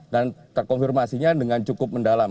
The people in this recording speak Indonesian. dan terkonfirmasinya dengan cukup mendalam